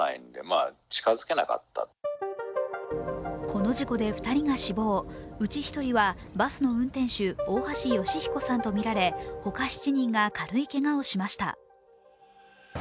この事故で２人が死亡、うち１人はバスの運転手・大橋義彦さんとみられほか７人が軽いけがをしました。